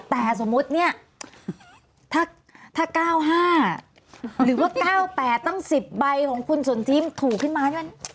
แต่สมมุติเนี่ยถ้า๙๕หรือว่า๙๘ตั้ง๑๐ใบของคุณสนทิมถูกขึ้นมาใช่ไหม